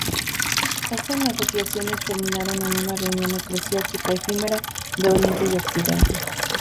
Estas negociaciones terminaron en una reunión eclesiástica efímera de Oriente y Occidente.